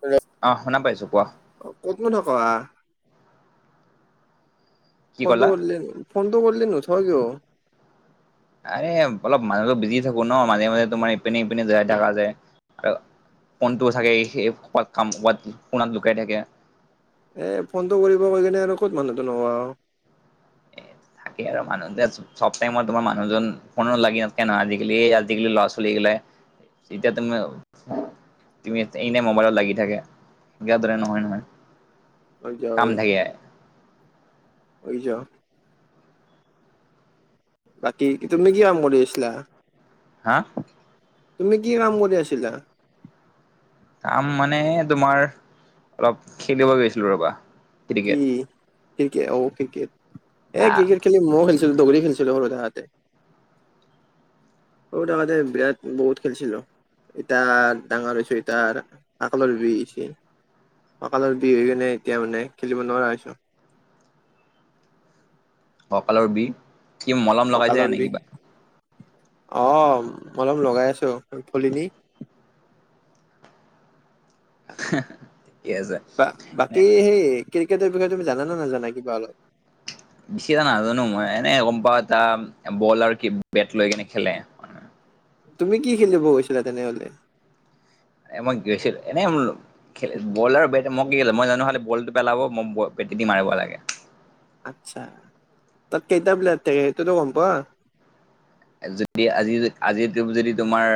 Hello, অ, শুনা পাইছো কোৱা? অ, ক'তনো থকা আহ? কি ফোনটো ক'লা কৰলে ফোনটো কৰলে নোথোৱা কিয়? আৰে অলপ মানুহতো বিজি থাকো ন' মাজে -মাজে তোমাৰ ইপিনে - সিপিনে যাই থাকা যে আৰু ফোনটোও চাগে এ সে কবাত কাম কবাত কোনাত লুকাই থাকে। এ ফোন টো কৰিব কৈ কিনে আৰু ক'ত মানুহটো নোহোৱা হও। [unintelligible] চব টাইমই তোমাৰ মানুহজন ফোনত লাগি নাথাকে নহয় আজিকালি এই আজিকালি ল'ৰা ছোৱালী গিলে, এতিয়া তুমি তুমি এনে মোবাইলত লাগি থাকে। গোদৰে নহয় নহয়। হয় দিয়া কাম হয়। থাকে [unintelligible] বাকী তুমি কি আম কৰি আছিলা। হা, তুমি কি কাম কৰি আছিলা। কাম মানে তোমাৰ অলপ খেলিব গৈছিলো ৰবা। কি ক্ৰিকেট ক্ৰিকেট অঔ ক্ৰিকেট এ আহ ক্ৰিকেট। খেলি মই খেলছিলো দৌৰী খেলিছিলো সৰু থাকোতে। সৰু থাকোতে বিৰাট বহুত খেলছিলো। এতিাৰ ডাঙৰ হৈ হৈছে এতাৰ ককালৰ বি হৈছে। ককালত বি হৈ কেনে এতিয়া মানে খেলিব নোৱাৰা হৈছো। কঁকালৰ বিষ কি মলম, ককাল লগাইছে নে বিষ কিবা অ মলম লগাই আছো ভলিনি। তাকে ঠিকে আছে বা এ বাকী সেই ক্ৰিকেটৰ বিষয়ে তুমি জানা নে নাজানা কিবা অলপ। বিশেষ এটা নাজানো মই এনে গম পাওঁ এটা বল আৰু বেট লৈ কিনে খেলে। তুমি কি খেলিব গৈছিলা তেনেহলে। এম গেছিল এনে, খ বল আৰু বে মই কি খ মই জানো খাললে বলটো পেলাব মই বেটি দি মাৰিব লাগে। আচ্ছা তাত কেইটা প্লেয়াৰ থাকে সেই টো গম পোৱা। যদি আজি আজি যদি তোমাৰ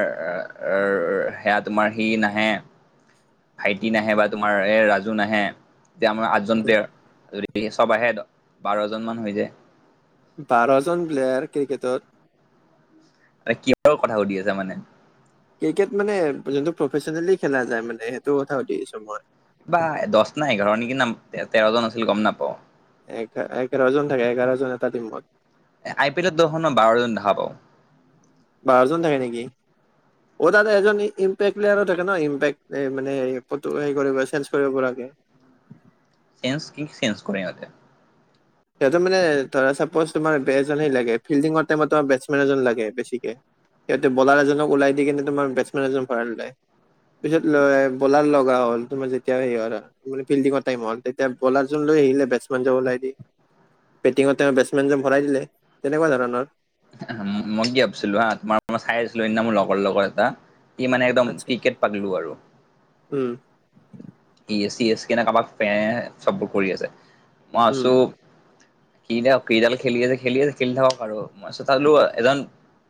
সেয়া তোমাৰ সি নাহে। [inaudible] ভাইটি নাহে বা তোমাৰ এই ৰাজু নাহে। যেতিয়া আমাৰ আঠজন প্লেয়াৰ যদি চব আহে বাৰজনমান হৈ যায়। বাৰ জন প্লেয়াৰ ক্ৰিকেটত, কিহৰ কথা সুধি আছা মানে। ক্ৰিকেট মানে যোনটো প্ৰফেচনেলি খেলা যায় মানে সেইটোৰ কথা সুধি দিছো মই। বা দহ না এঘাৰ নেকি না তেৰজন আছিল গম নাপাও। এ এঘাৰজন থাকে এঘাৰজন এটা টিমত। এ আই পি এলত দহখনৰ বাৰজন দেখা পাওঁ। বাৰজন থাকে নেকি। অ তাদ এজন ইম্পেক্ট প্লেয়াৰো থাকে ন ইম্পেক্ট মানে চেঞ্জ কৰিব পৰাকে। চেঞ্জ কি চেঞ্জ কৰে সিহঁতে। সিহতে মানে ধৰা চাপওজ বেছ লাগে ফিল্ডিঙৰটাইমতাৰ বেটেন এজন লাগে বেছিকে। সিহঁতে বলাৰ এজনক ওলাই দি কিনে তোমাৰ বেটছমেন এজন ভৰা়ই ল'লে। পিছত বলাৰ লগা হ'ল তুমাৰ যেতিয়া সে। মানে ফিল্ডিঙৰ টাইম হ'ল তেতিয়া বলাৰ লৈ আহিলে বেটছমেন ওলাই দি। বেটিঙত তেওঁ বেটছমেনজন ভৰাই দিলে তেনেকুৱা ধৰণৰ। মই কি ভাবিছিলো হা তোমাৰ মই চাই আছিলো সেইদিনা মোৰ লগৰ লগত এটা। ই মানে একদম আচ্ছা ক্ৰিকেট পাতলো আৰু উম, ই এ চি এছ কেনে কাৰোবাক ফে চববোৰ কৰি আছে মই উম আছো। কি দক কিডাল খেলি আছে খেলি আছে খেলি থাকক আৰু মইলো এজন।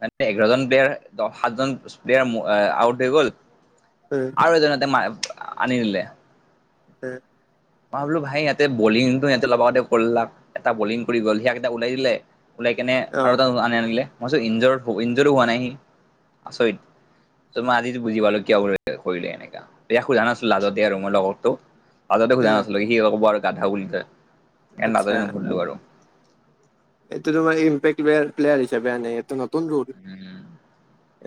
মানে এঘাৰজন প্লেয়াৰ সাতজন প্লেয়াৰ আউট হৈ গল, উম, আৰু এজন তাতে মা আনি দিলে। উ, মই বোলো ভাই ইয়াতে বলিংটো ইতে লগতে কৰিলাক এটা বলিং কৰি গ'ল সিয়াক এটা ওলাই দিলে। ওলাই কেনে অ আৰু এ আনে আনিলে মই ইঞ্জ ইঞ্জৰো হোৱা নাইহি আচৰিত। ত মই আজি বুজি পালো কিয় কৰিলে এনেকা ইয়াক সোধাই নাছিলো লাজতে আৰু মই লগৰতোক। আজতে অ খোজা নাচলে সি ক'ব আৰু গাধাও বুলিয় আচ্ছা লাজতে নুধিলো আৰু এইটো তোমাৰ ইম্পেকট প্লেয়াৰ হিচাপে আনে এইটো নতুন ৰ'ল। উম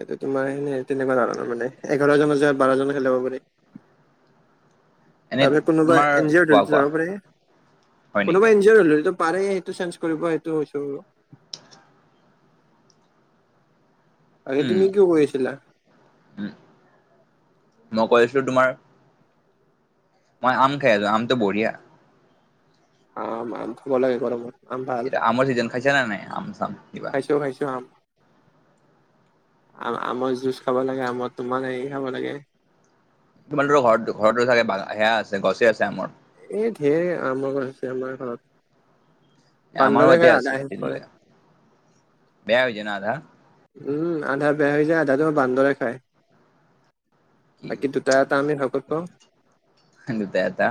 এইটো তোমাৰ এনে তেনেকুৱা ধৰণৰ মানে এঘাৰজনৰ যেগাত বাৰজনে খেলিব পাৰি। এনে তাৰপিছত কোনোবা তোমাৰ এন জি কোৱা অৰৰি কোৱা যাব পাৰে হয় নেকি কোনোবা এন জি অৰ হ। পাৰে সেইটো চেঞ্জ কৰিব সেইটো কৈছো। আৰে উম তুমি কিয় কৈ আছিলা। উম মই কৈ আছিলো তোমাৰ। মই আম খাই আছোঁ আমটো বৰিয়া। অ আম, আম খাব লাগে গৰমত। আম ভাল এয়া আমৰ ছিজন খাইছে না নাই আম চাম কিবা। [unintelligible] আম। আম আমৰ জুজ খাব লাগে আমৰ তোমাৰ হেৰি খাব লাগে। তোমালোকৰ ঘৰত ঘৰতো চাগে সেয়া আছে গছে আছে আমৰ। এই ধেই আম হৈছে আমাৰ ঘৰত আমাৰো বান্দৰে খাই এতিয়া আছে আধা শেষ দিলে কৰে। বেয়া হৈয়ায় ন আধা। উম আধা বেয়া হৈ যায় আধাটো বান্দৰে খাই কি বাকী। তয় তাত আমি হাকত পাওঁ। এটা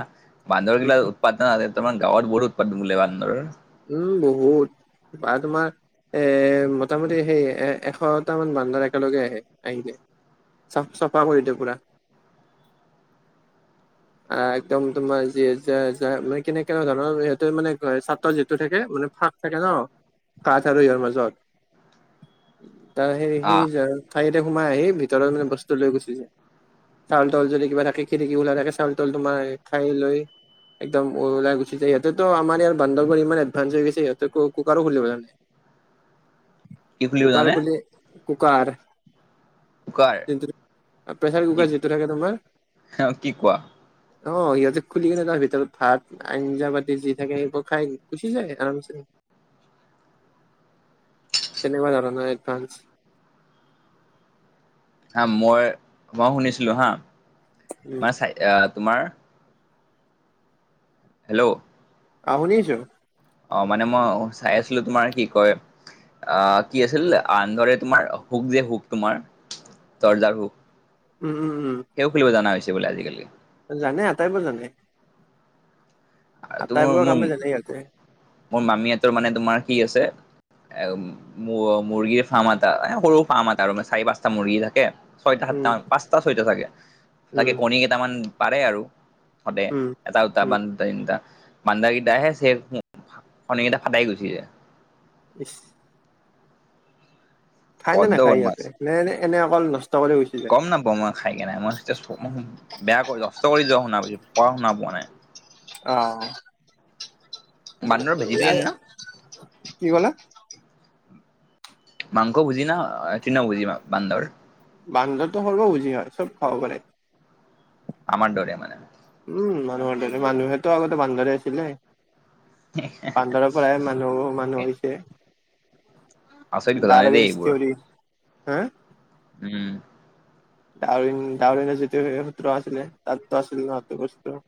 বান্ধৰ উম গিল উৎপাদদন আছে মে গাঁৱত বহুত উৎপাদন বুলিল বান্ধৰ। উম বহুত বা তোমাৰ। এ মোটামুটি সেই এ এশটা মান বান্দৰ একেলগে আহে আহিদিয়ে। চাফ চাফা কৰি দিয়ে পুৰা। আহ একদম তোমাৰ যি মে কেনে কেনে ধৰণৰ সহটো মানে। তত যিটো থাকে মানে ফাঁক থাকে ন কাঠ আৰু ইহৰ মাজত। তাৰ সেই আহ সেই ঠাইতে সোমাই আহি ভিতৰত মানে বস্তু লৈ গুচি যায়। চাউল তাউল যদি কিবা থাকে খিৰিকি খোলা থাকে চাউল তাউল তোমাৰ খাই লৈ। একদম ওলাই গুছি যায় ইহঁতেতো আমাৰ ইয়াৰ। বান্দৰ বোৰ ইমান এডভানঞ্চ হৈ গৈছে সিহঁতে কুকাৰো খুলিব জানে। কি খুলিব কুকাৰ জানে খুলি কুকাৰ। কাৰ প্ৰেচাৰ কি কুকাৰ যিটো থাকে তোমাৰ। কি কোৱা অ সিহঁতে খুলি কেনে তাৰ ভিতৰত ভাত আঞ্জা পাতি যি থাকে সেইবোৰ, খাই গুছি যায় আৰামছে। তেনেকুৱা জান নাই এদভানচ। হা মই মই শুনিছিলোঁ হা উম মই চাই তোমাৰ। হেল্ল'। আহ শুনিছোঁ। অ মানে মই চাই আছিলো তোমাৰ কি কয়। আহ কি আছিল আনন্দৰে তোমাৰ হুক যে হুক তোমাৰ। দৰ্জা হুক। উম, উম, উম। সেও খেলিব জানা হৈছে বোলে আজিকালি। জানে আটাইবোৰ জানে। আৰু তোমাৰ আটাইবোৰ মোৰ কামে জানে সিহঁতে মোৰ মামীহতৰ মানে তোমাৰ কি আছে। এ মুৰ্গীৰ ফাৰ্ম এটা সৰু ফাৰ্ম এটা আৰু চাৰি পাঁচটা মুৰ্গী থাকে। ছয়টা উম সাতটা মান পাঁচটা ছয়টা চাগে উম তাকে কণী কেইটামান পাৰে আৰু সদায়। উম এটাওত উম বান্ধতা তিটা বান্দাৰ গেইটা আহে। [unintelligible] হ কনীক এটা ফাটাই গুচি যায়। ইছ। খাইনে বড্ড নাখায় বদমাছ ইয়াতে নে এনে অকল নষ্ট কৰি গৈছে। গম নাপা মই খাই কে নাই মইয়া বেয়া কৰি নষ্ট কৰি যোৱা শুনা পছো প শুনা পোৱা নাই। অ বান্দৰ ভেজিটেৰিয়ান না কি ক'লে। মাংস ভুজি না তৃণ ভুজি বান্দৰ। বান্দাৰো সৰ্বভুজি হয় চব খাব পাৰে। আমাৰ দৰে মানে। উম মানুহৰ দৰে মানুহেতো আগতে বান্দৰে আছিলে। বান্দাৰৰ পৰাই মানুহ মানুহ হৈছে। আচৰিত ঘটনা ডাৰ দেই এইবোৰ থৰি হা। উ'ম। ডউৰিন ডাউৰনৰ যিটো সত্ৰ আছিলে তাততো আছিল ন সেই তো বস্তু।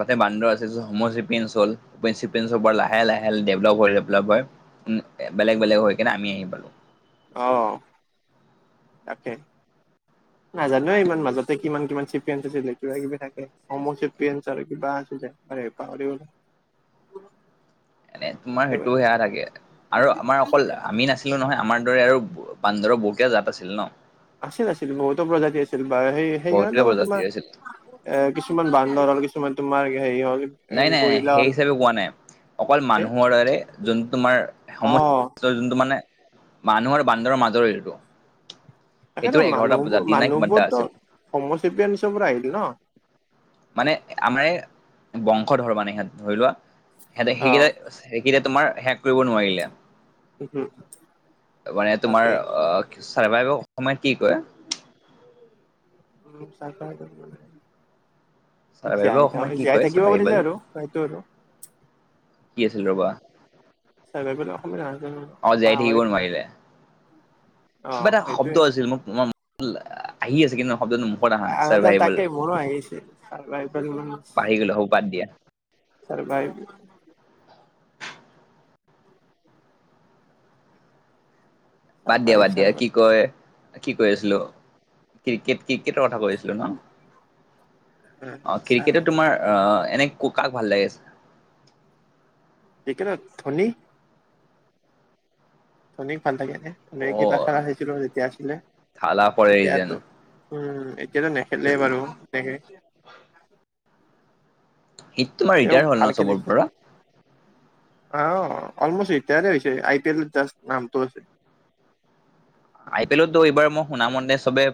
তাতে বান্দৰছে চেয়ন হল, চেন, লাহে, লাহে ডেভপ হয়, ডেভপ হয়। বেলেগ বেলেগ হৈ কিনে আমি আহি পালো। অহ তাকে। নাজানো ইমান মাজতে কিমান কিমান চেম্পিয়ন আছিলে কিবা কিবি থাকে সম চেম্পিয়ন আৰু কিবা আছিলে। হয় নেকি পাহৰি গ'লো। এনে তোমাৰ সেইটো সেয়া লাগে আৰু আমাৰ অকল আমি নাছিলো, আছিলো নহয় আমাৰ দৰে আৰু বান্দৰৰ বহুত জাত আছিল ন। আছিল আছিল বহুতো প্ৰজাতি আছিল বা সেই বহুতকেইটা সেইকাৰণেতো তোমাৰ। প্ৰজাতিৰ আছিল এ কিছুমান বান্দৰ হ'ল কিছুমান তোমাৰ হেৰি হ'ল। এ নাই নাই নাই গৰিলা সেই হ'ল হিচাপে কোৱা নাই অকল হে মানুহৰ দৰে যোন তোমাৰ অ সময, যোনটো মানে মানুহৰ বান্দৰৰ মাজৰ এইটো। তাকেতো সেইটোৰ এঘাৰটা মানুহবোৰ জাতি নাই কিমানটা মানুহবোৰতো আছিল সম চেম্পিয়ন হচবোৰ আহিল ন। মানে আমাৰ বংশ ধৰ মানে সিহঁত ধৰি লোৱা সিহঁতে অ সেইকেইটা। সেইকেইয়া তোমাৰ শেষ কৰিব নোৱাৰিলে। উম হম তাকে। ছাৰ্ভাইভক অসময় কি কয়। [unintelligible] চাৰ্ভাইভ জাই থ অসমীয়াত কি জীয়াই কয় থাকিব চাৰ্ভাইভেল পাৰিলে আৰু সইটো। কি আছিল ৰ'বা। চাই পাই পেলাই অসমীয়া, অ জীয়াই পাহৰি থাকিব নোৱাৰিলে অ কিবা এটা সেইটোয়ে শব্দ আছিল মোক। আহি আছে কিন্তু শব্দনো মোৰ। আমাৰ ত তাকেই মনো আহিছে ম, পাহৰি গ'লো হ'ব বাদ দিয়া [unintelligible] বাদ দিয়া চাৰ্ভাইভ বাদ দিয়া চাৰ্ভাইভ কি কয় কি কৈ আছিলো ক্ৰিকেট ক্ৰিকেটৰ কথা কৈ আছিলো ন। উম, অ চাৰ ক্ৰিকেটটো তোমাৰ আহ এনে ক কাক ভাল লাগি আছে, ক্ৰিকেটত ধনী। ধনীক ভাল থাকে এ ধনীয়ে অ কেই খেলা আহিছিলো যেতিয়া আছিলে থালা ফৰ এ ৰিজন এতিয়াতো। উম এতিয়াতো নেখেলে বাৰু তেনেকে। সি তোমাৰ তেওঁ ৰিটায়াৰ হ'ল ন ভাল চবৰ খেলিছিলে। পৰা অ অলমষ্ট এতিয়াৰে হৈছে আই পি এলৰ জাষ্ট নামটো আছে। আই পি এলতো এইবাৰ মই শুনা মতে চবে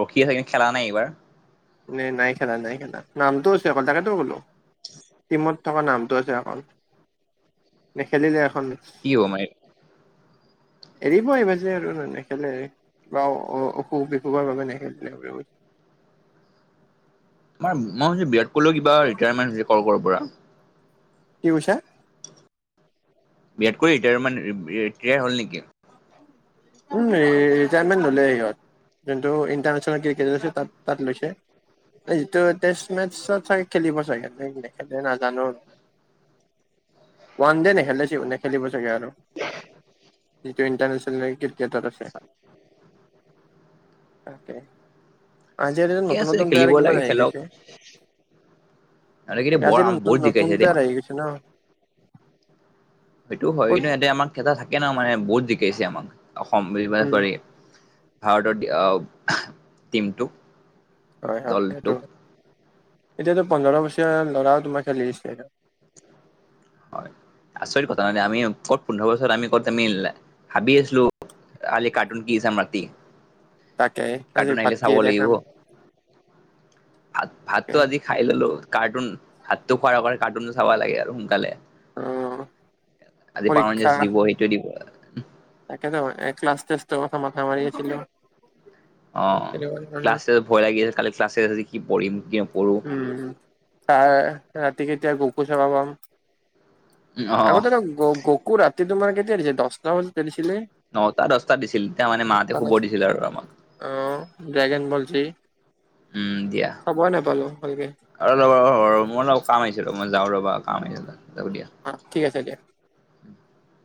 ৰখি আছে কিন্তু খেলা নাই এইবাৰ, ন নাই খেলা নাই খেলা নামটো আছে অকল তাকটো কলো টিমত, থকা নামটো আছে এখন নেখেলিলে এখন, কি হ মই, এৰিব আহিব যে আৰু নানে নেখেলে। বা অসুখ বিসুখৰ বাবে নেখেলে। তাৰ মইছো বিৰাট কোলিৰ কিবা ৰিটায়াৰমেণ্ট হৈছে কল কলৰ পৰা। কি কৈছা। বিৰাট কলী ৰিটায়াৰমেণ্ট হ'ল নেকি। উম ৰিটায়মেট ললেই সিহত যোনটো ইন্টাৰনেছনেলৰ [unintelligible] তাত লৈছে। যিটো টেষ্ট মেচত চাগে খেলিব চাগে নেখেতে নাজানো আৰু ওৱান ডে নেখেলিব নেখেলিব চাগে আৰু [unintelligible] যিটো ইণ্টাৰনেচনেল ক্ৰিকেটত আছে তাকে। আজি আৰু এজন ঠিকে নতুন আছে নতুন খেলিব প্লেয়াৰ কিমান লাগে আহি খেলক গৈছে। আৰু কিন্তু তাকে বৰ আজি এটা ন বহুত নতুন জিকাইছে দেই প্লেয়াৰ আহি গৈছে ন। সেইটো হয় ক'ত কিন্তু এতে আমাক এটা থাকে ন মানে বহুত জিকাইছে আমাক অসম উম পাৰি। ভাৰতৰ টিমটোক। হয় হয় সেইটো দলটোক এতিয়াতো পোন্ধৰ বছৰ ল'ৰাও তোমাৰ খেলিছে। হয় আচৰিত কথা নাই আমি কত পোন্ধৰ বছৰত আমি কত আমি হাবি আছিলো। আলি কাৰ্টুন কি দাম ৰাতি। তাকে আজি কাৰ্টুন ভাত আহিলে চাব কিহেৰে লাগিব খাম ভাত ভাতটো তাকে আজি, খাই ললো কাৰ্টুন ভাতটো খোৱাৰ আগতে কাৰ্টুনো চাব লাগে আৰু সোনকালে। অ আজি পৰীক্ষা পাৱঞ্জেছ দিব সেইটোযে দিব। তাকেতো ক্লা টেষ্ট কথা মাথা মাৰি আছিলো। অ সেইটো কাৰণে ক্লাছ ভয় লাগি আছে কালি ক্লাছ কি পঢিম কি নপঢ়ো। উম তাৰ ৰাতি কে এতিয়া গকু চাবা পাম। উম, অ আগতে গ গকু ৰাতি তোমাৰ কেতিয়াৰিছে দহটা বজাত দিছিলে। নটা দহটা দিছিল তেতিয়া মানে মাহঁতে শুব দিছিল আৰু আমাক। অ ড্ৰোগেন ব যি। উম দিয়া। চাবই নাপালো ভালকে ৰ মই অলপ কাম আহিছে ৰ মই যাওঁ ৰ'বা কাম আহছে যাব দিয়া। অ ঠিক আছে দিয়া। [inaudible]